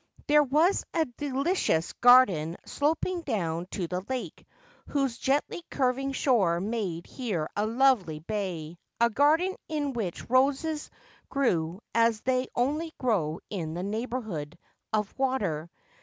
There was a delicious garden sloping down to the lake, whose gently curving shore made here a lovely bay ; a garden in which roses grew as they only grow in the neighbourhood of water.